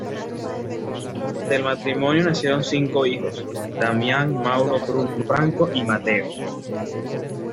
Del matrimonio nacieron cinco hijos: Damián, Mauro, Bruno, Franco y Mateo.